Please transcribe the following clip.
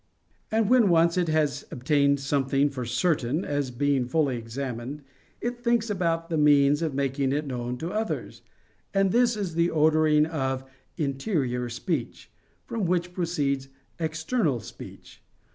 And when once it has obtained something for certain, as being fully examined, it thinks about the means of making it known to others; and this is the ordering of "interior speech," from which proceeds "external speech."